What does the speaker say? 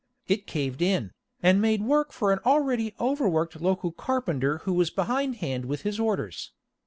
It caved in, and made work for an already overworked local carpenter who was behind hand with his orders.